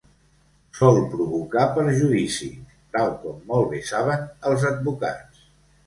Sol provocar perjudici, tal com molt bé saben els advocats.